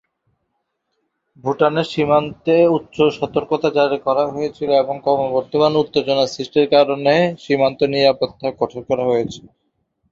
ভুটানের সীমান্তে উচ্চ সতর্কতা জারি করা হয়েছিল এবং ক্রমবর্ধমান উত্তেজনা সৃষ্টির কারণে সীমান্ত নিরাপত্তা কঠোর করা হয়েছিল।